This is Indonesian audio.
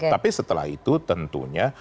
tapi setelah itu tentunya